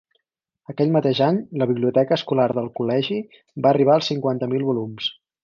Aquell mateix any la Biblioteca escolar del Col·legi va arribar als cinquanta mil volums.